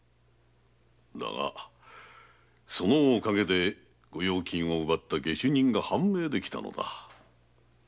だがそのおかげで御用金を奪った下手人が判明できたのだ。